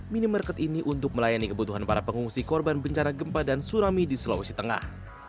minimarket ini untuk melayani kebutuhan para pengungsi korban bencana gempa dan tsunami di sulawesi tengah